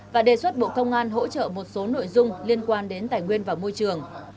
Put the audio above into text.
và đề xuất bộ công an hỗ trợ một số nội dung liên quan đến tài nguyên và môi trường